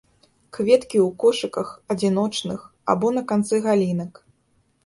Кветкі ў кошыках, адзіночных, або на канцах галінак.